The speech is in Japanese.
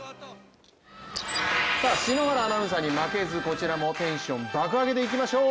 篠原アナウンサーに巻けずこちらもテンション爆上げでいきましょう。